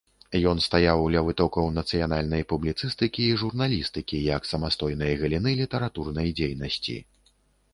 Ён стаяў ля вытокаў нацыянальнай публіцыстыкі і журналістыкі як самастойнай галіны літаратурнай дзейнасці.